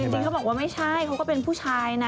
จริงเขาบอกว่าไม่ใช่เขาก็เป็นผู้ชายนะ